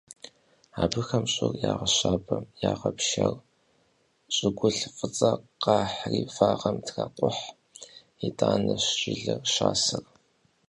Абыхэм щӀыр ягъэщабэ, ягъэпшэр, щӀыгулъ фӀыцӀэ къахьри вагъэм тракъухь, итӀанэщ жылэ щасэр.